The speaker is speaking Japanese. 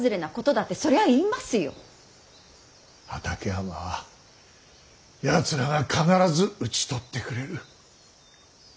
畠山はやつらが必ず討ち取ってくれる。